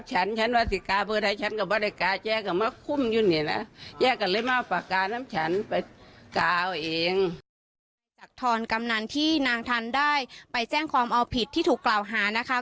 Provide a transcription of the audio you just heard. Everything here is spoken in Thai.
จากทรกำนันที่นางทันได้ไปแจ้งความเอาผิดที่ถูกกล่าวหานะคะ